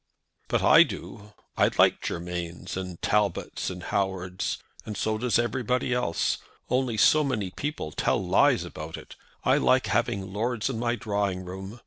"But I do. I like Germains, and Talbots, and Howards, and so does everybody else, only so many people tell lies about it. I like having lords in my drawing room.